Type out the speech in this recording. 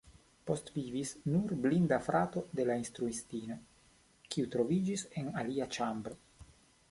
Postvivis nur blinda frato de la instruistino, kiu troviĝis en alia ĉambro.